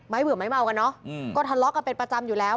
เบื่อไม้เมากันเนอะก็ทะเลาะกันเป็นประจำอยู่แล้ว